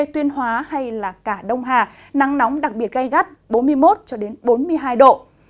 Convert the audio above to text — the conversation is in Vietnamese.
tuyên hóa hay cả đông hà nắng nóng đặc biệt gai gắt bốn mươi một bốn mươi hai độ